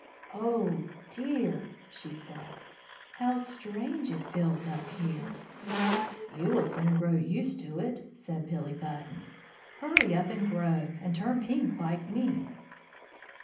"Oh, dear," she said, "how strange it feels up here!" "You will soon grow used to it," said Billy Button. "Hurry up and grow, and turn pink like me."